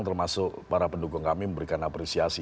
termasuk para pendukung kami memberikan apresiasi